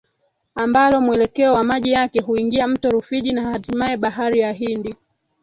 ambalo mwelekeo wa maji yake huingia Mto Rufiji na hatimaye Bahari ya Hindi